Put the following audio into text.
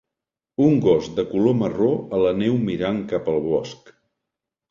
Un gos de color marró a la neu mirant cap al bosc.